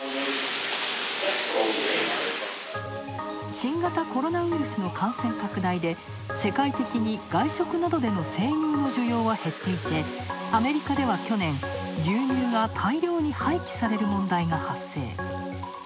新型コロナウイルスの感染拡大で世界的に外食などでの生乳の需要は減っていて、アメリカでは去年、牛乳が大量に廃棄される問題が発生。